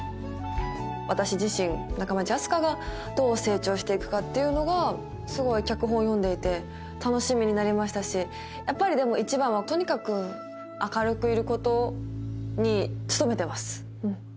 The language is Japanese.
私自身仲町あす花がどう成長していくかっていうのがすごい脚本を読んでいて楽しみになりましたしやっぱりでも一番はとにかく明るくいることに努めてます